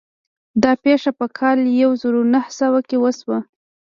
دا پېښه په کال يو زر و نهه سوه کې وشوه.